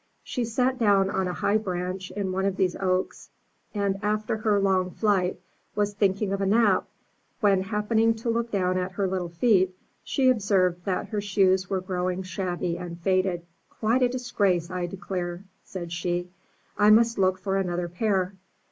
She sat down on a high branch in one of these oaks, and, after her long flight, was thinking of a nap, when, happening to look down at her little feet, she observed that her shoes were growing shabby and faded. '*Quite a dis grace, I declare,'* said she. *'I must look for another pair.